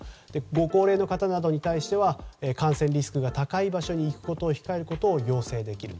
ご高齢の方などに対しては感染リスクが高い場所に行くことを控えることを要請できる。